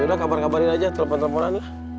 udah kabar kabarin aja telepon teleponan lah